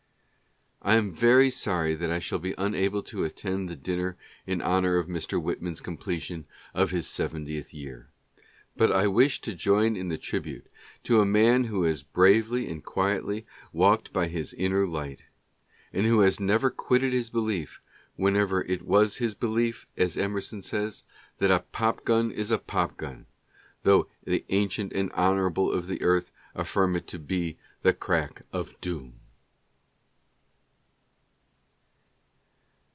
I am very sorry that I shall be unable to attend the dinner in honor of Mr. Whitman's completion of his seventieth year, but I wish to join in the tribute to a man who has bravely and quietly walked by his inner light, and who has never quitted his belief, whenever it was his belief, as Emerson says, "that a pop gun is a pop gun, though the ancient and honorable of the earth affirm it to be the crack of doom."